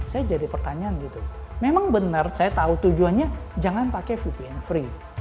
saya jadi pertanyaan gitu memang benar saya tahu tujuannya jangan pakai vpn free